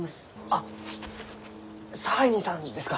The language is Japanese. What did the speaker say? あっ差配人さんですか？